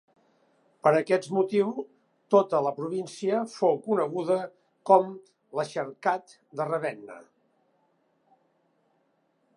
Per aquest motiu tota la província fou coneguda com l'Exarcat de Ravenna.